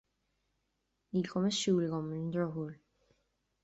Níl cumas siúil agam, ar an drochuair.